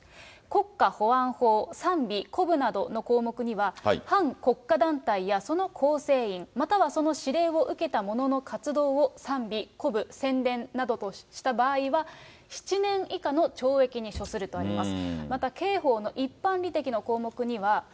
国家保安法、賛美・鼓舞などの項目には、反国家団体やその構成員、またはその指令を受けた者の活動を賛美・鼓舞・宣伝した場合は、７年以下の懲役に処するとあります。